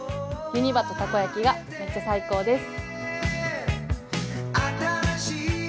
ユニバとたこ焼きがめっちゃ最高です。